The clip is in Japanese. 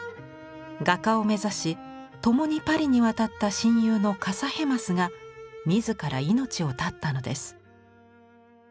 画家を目指し共にパリに渡った親友のカサヘマスが自ら命を絶ったのです。